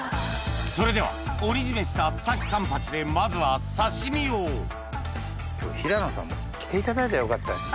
それでは鬼絞めした須崎勘八でまずは刺身を今日平野さんも来ていただいたらよかったです。